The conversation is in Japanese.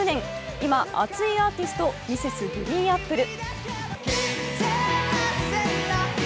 今、熱いアーティスト、Ｍｒｓ．ＧＲＥＥＮＡＰＰＬＥ。